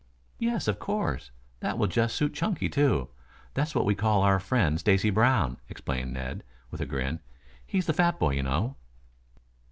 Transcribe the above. "Yes, of course. That will just suit Chunky, too. That's what we call our friend Stacy Brown," explained Ned, with a grin. "He's the fat boy, you know."